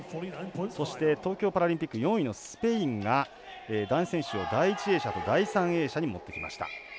そして、東京パラリンピック４位のスペインが男子選手を第１泳者と第３泳者に持ってきました。